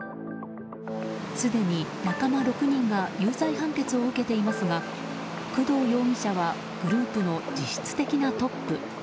すでに仲間６人が有罪判決を受けていますが工藤容疑者はグループの実質的なトップ。